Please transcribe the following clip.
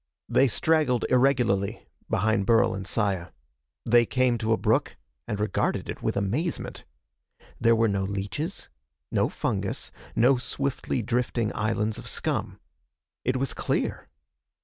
They straggled irregularly behind Burl and Saya. They came to a brook and regarded it with amazement. There were no leeches. No fungus. No swiftly drifting islands of scum. It was clear.